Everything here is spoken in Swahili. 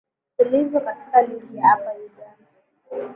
tulivyo katika ligi ya hapa uganda